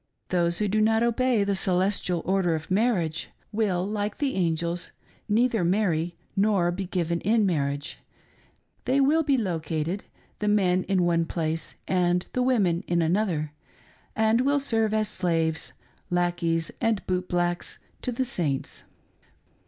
Those who do not obey the " Celes tial Order of Marriage" will, like the angels, neither marry nor be given in marriage ; they will be located, the men in one place, and the women in another, and will serve as slaves, lack eys, and boot blacks to the Saints.